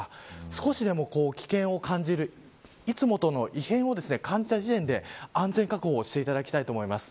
少しでも危険を感じるいつもとの異変を感じた時点で安全確保をしていただきたいと思います。